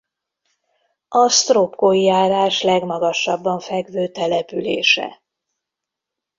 A Sztropkói járás legmagasabban fekvő települése.